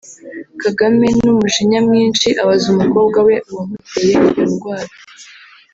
Kagame n’umujinya mwinshi abaza umukobwa we uwamuteye iyo ndwara